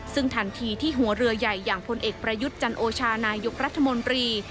ซึ่งทันทีที่หัวเรือใหญ่อย่างพลเอกประยุทธ์จันโอชานายกรัฐมนตรี